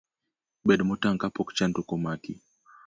Bed motang' kapok chandruok omaki.